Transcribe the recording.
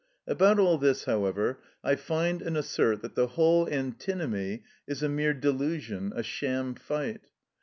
About all this, however, I find and assert that the whole antinomy is a mere delusion, a sham fight.